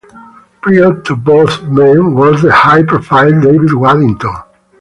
Prior to both men, was the high-profile David Waddington.